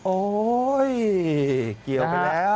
โอ้ยยยยเกี่ยวไปแล้ว